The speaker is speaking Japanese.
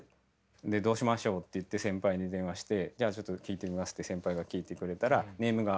でどうしましょうっていって先輩に電話してじゃあちょっと聞いてみますって先輩が聞いてくれたらネームがまだ出来てないと。